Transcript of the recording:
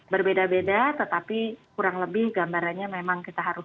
berbeda beda tetapi kurang lebih gambarannya memang kita harus